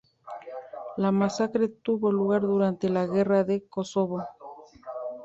La masacre Tuvo lugar durante la guerra de Kosovo.